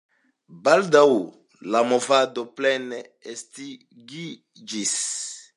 Baldaŭ la movado plene estingiĝis.